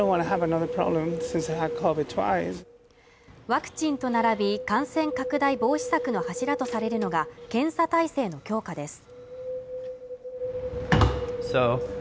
ワクチンと並び感染拡大防止策の柱とされるのが検査態勢の強化です